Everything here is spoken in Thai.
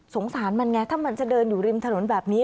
สารมันไงถ้ามันจะเดินอยู่ริมถนนแบบนี้